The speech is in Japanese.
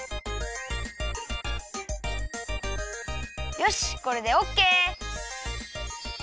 よしこれでオッケー！